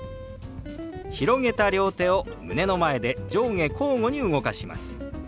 広げた両手を胸の前で上下交互に動かします。